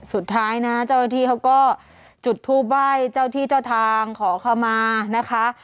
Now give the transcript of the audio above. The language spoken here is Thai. สุดท้ายนะเจ้าหน้าที่เขาก็จุดทูปไหว้เจ้าที่เจ้าทางขอเข้ามานะคะ